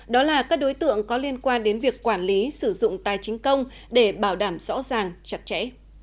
đó là các đối tượng có liên quan đến việc quản lý sử dụng tài chính công để bảo đảm rõ ràng chặt chẽ